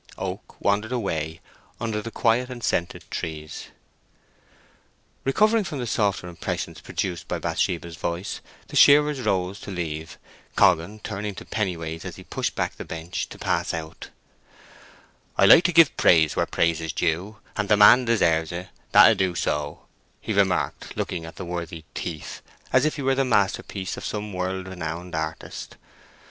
Oak wandered away under the quiet and scented trees. Recovering from the softer impressions produced by Bathsheba's voice, the shearers rose to leave, Coggan turning to Pennyways as he pushed back the bench to pass out:— "I like to give praise where praise is due, and the man deserves it—that 'a do so," he remarked, looking at the worthy thief, as if he were the masterpiece of some world renowned artist.